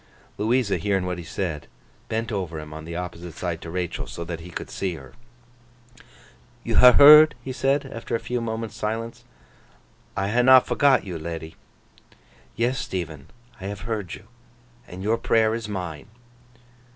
Louisa hearing what he said, bent over him on the opposite side to Rachael, so that he could see her. 'You ha' heard?' he said, after a few moments' silence. 'I ha' not forgot you, ledy.' 'Yes, Stephen, I have heard you. And your prayer is mine.